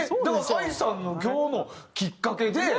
だからＡＩさんの今日のきっかけで。